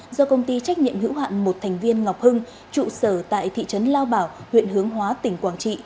do công ty trách nhiệm hữu hạn một thành viên ngọc hưng trụ sở tại thị trấn lao bảo huyện hướng hóa tỉnh quảng trị